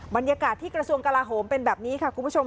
บรรยากาศที่กระทรวงกลาโหมเป็นแบบนี้ค่ะคุณผู้ชม